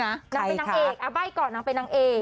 นางเป็นนางเอกใบ้ก่อนนางเป็นนางเอก